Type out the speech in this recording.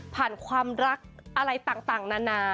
ความรักอะไรต่างนานา